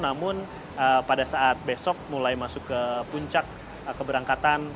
namun pada saat besok mulai masuk ke puncak keberangkatan